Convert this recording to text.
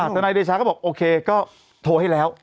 ทนายเดชาก็บอกโอเคก็โทรให้แล้ว